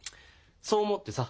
そう思ってさ